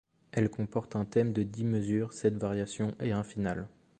Elles comportent un thème de dix mesures, sept variations et un final.